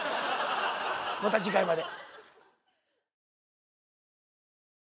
また次回まで。